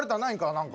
何か。